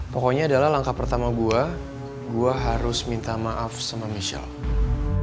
pokoknya adalah langkah pertama gue gue harus minta maaf sama michelle